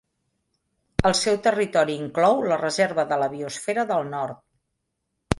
El seu territori inclou la Reserva de la Biosfera del Nord.